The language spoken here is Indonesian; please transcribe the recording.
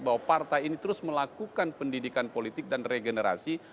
bahwa partai ini terus melakukan pendidikan politik dan regenerasi